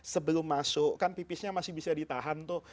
sebelum masuk kan pipisnya masih bisa ditahan tuh